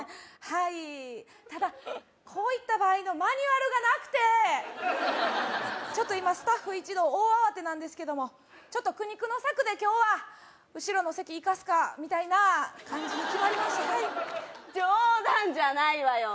はいただこういった場合のマニュアルがなくてちょっと今スタッフ一同大慌てなんですけどもちょっと苦肉の策で今日は「後ろの席いかすか」みたいな感じに決まりましてはい冗談じゃないわよ